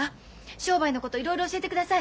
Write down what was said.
商売のこといろいろ教えてください。